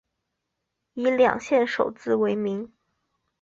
以两县首字为名。